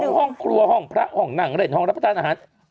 คือห้องครัวห้องพระห้องนั่งเล่นห้องรับประทานอาหาร